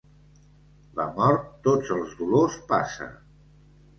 La mort tots els dolors passa.